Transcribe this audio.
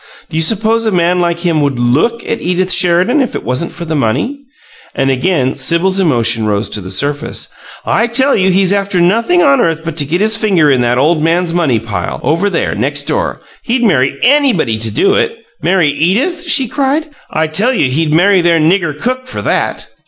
Do you suppose a man like him would LOOK at Edith Sheridan if it wasn't for the money?" And again Sibyl's emotion rose to the surface. "I tell you he's after nothing on earth but to get his finger in that old man's money pile, over there, next door! He'd marry ANYBODY to do it. Marry Edith?" she cried. "I tell you he'd marry their nigger cook for THAT!"